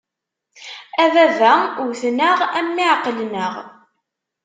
A baba! Wwten-aɣ, a mmi! Ɛeqlen-aɣ.